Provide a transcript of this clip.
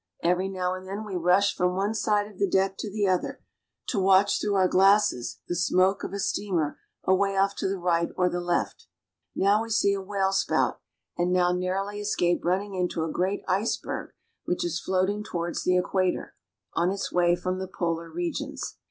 Every now and then we rush from one side of the deck to the other, to watch through our glasses the smoke of a steamer away off to the right or the left. Now we see a whale spout, and now narrowly escape running into a great iceberg which is floating towards the Equator, on its way from the polar regions.